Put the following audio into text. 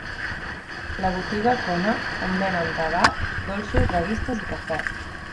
La botiga Connah, on venen tabac, dolços, revistes i cafè.